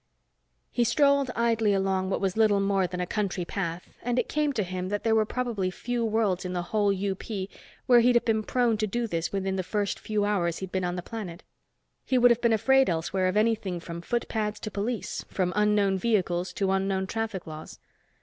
He strolled idly along what was little more than a country path and it came to him that there were probably few worlds in the whole UP where he'd have been prone to do this within the first few hours he'd been on the planet. He would have been afraid, elsewhere, of anything from footpads to police, from unknown vehicles to unknown traffic laws.